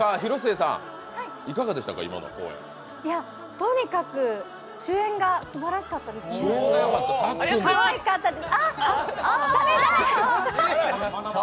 とにかく主演がすばらしかったですね、かわいかったです。